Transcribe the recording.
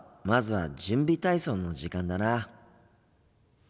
まずは準備体操の時間だな。